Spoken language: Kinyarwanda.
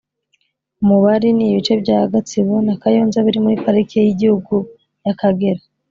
Umubali Ni ibice bya Gatsbo na Kayonza biri muri Pariki y’igihugu y’Akagera